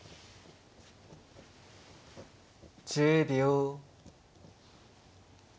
１０秒。